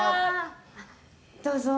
「どうぞ」